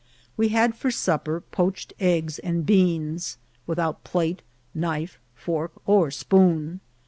We had for supper poached eggs and beans, without plate, knife, fork, or spoon.